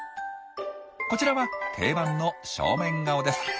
こちらは定番の正面顔です。